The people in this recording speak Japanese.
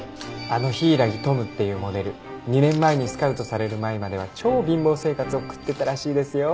あの「柊登夢」っていうモデル２年前にスカウトされる前までは超貧乏生活送ってたらしいですよ。